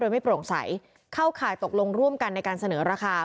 มันต้องร่วมกันในการเสนอราคา